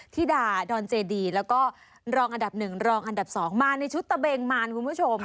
ธิดาดอนเจดีแล้วก็รองอันดับ๑รองอันดับ๒มาในชุดตะเบงมารคุณผู้ชม